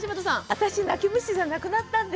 私泣き虫じゃなくなったんです。